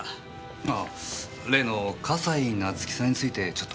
あ例の笠井夏生さんについてちょっと。